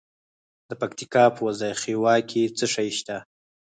د پکتیکا په وازیخوا کې څه شی شته؟